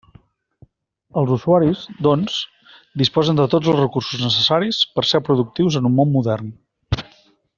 Els usuaris, doncs, disposen de tots els recursos necessaris per ser productius en un món modern.